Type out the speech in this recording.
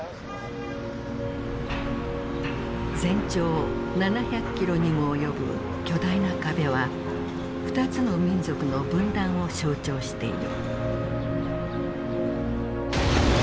全長７００キロにも及ぶ巨大な壁は２つの民族の分断を象徴している。